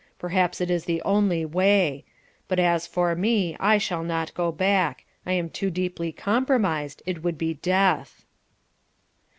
Perhaps it is the only way. But as for me I shall not go back: I am too deeply compromised: it would be death."